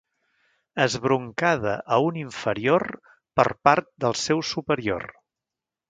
Esbroncada a un inferior per part del seu superior.